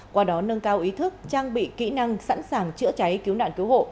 qua đó nâng cao ý thức trang bị kỹ năng sẵn sàng chữa cháy cứu nạn cứu hộ